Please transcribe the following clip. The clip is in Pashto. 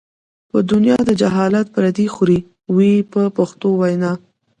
په دنیا د جهالت پردې خورې وې په پښتو وینا.